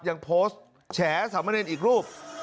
ยังโพสต์แฉสามเนรอีกรูป